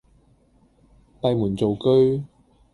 閉門造車